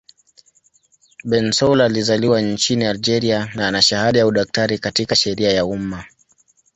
Bensaoula alizaliwa nchini Algeria na ana shahada ya udaktari katika sheria ya umma.